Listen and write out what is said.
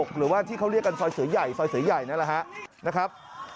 หรือว่าที่เขาเรียกกันซอยเสือใหญ่ซอยเสือใหญ่นั่นแหละฮะนะครับ